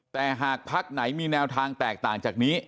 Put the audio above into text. แต่หากพักไหนมีแนวทางแตกต่างจากนี้